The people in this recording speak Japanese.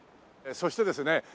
そしてですね